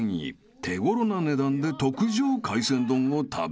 ［手頃な値段で特上海鮮丼を食べられるのは？］